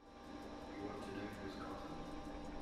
You want to know who's got 'em?